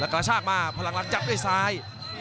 กระชากมาพลังลักษณ์จับด้วยซ้าย